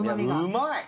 うまい！